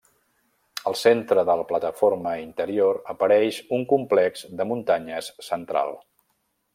Al centre de la plataforma interior apareix un complex de muntanyes central.